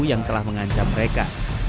yang telah mengancam mereka